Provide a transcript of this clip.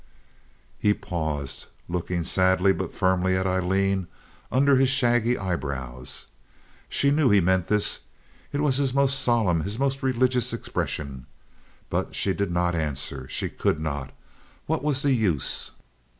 He paused, looking sadly but firmly at Aileen under his shaggy eyebrows. She knew he meant this. It was his most solemn, his most religious expression. But she did not answer. She could not. What was the use?